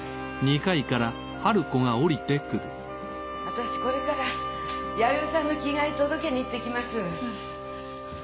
私これから弥生さんの着替え届けにいってきます。